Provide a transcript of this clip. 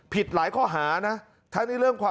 ผิดหลายข้อหานะ